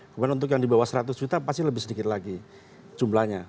kemudian untuk yang di bawah seratus juta pasti lebih sedikit lagi jumlahnya